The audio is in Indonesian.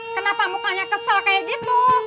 kenapa mukanya kesal kayak gitu